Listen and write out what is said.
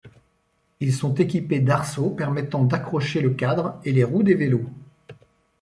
Ils sont équipées d'arceaux permettant d'accrocher le cadre et les roues des vélos.